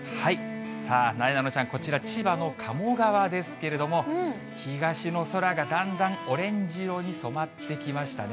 さあ、なえなのちゃん、こちら、千葉の鴨川ですけれども、東の空がだんだんオレンジ色に染まってきましたね。